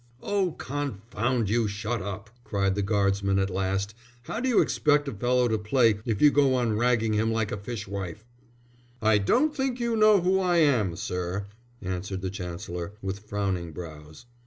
"Oh, confound you, shut up!" cried the guardsman at last. "How d'you expect a fellow to play if you go on ragging him like a fish wife?" "I don't think you know who I am, sir," answered the Chancellor, with frowning brows.